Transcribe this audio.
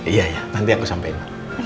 iya iya nanti aku sampein